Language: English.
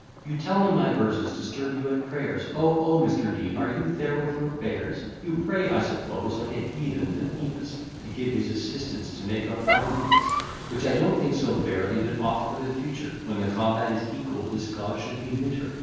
You tell me my verses disturb you at prayers; Oh, oh, Mr. Dean, are you there with your bears? You pray, I suppose, like a Heathen, to Phoebus, To give his assistance to make out my rebus: Which I don't think so fair; leave it off for the future; When the combat is equal, this God should be neuter.